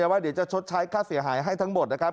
ว่าเดี๋ยวจะชดใช้ค่าเสียหายให้ทั้งหมดนะครับ